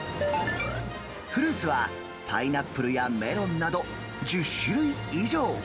フルーツは、パイナップルやメロンなど、１０種類以上。